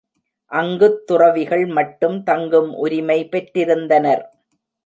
அங்குத் துறவிகள் மட்டும் தங்கும் உரிமை பெற்றிருந்தனர்.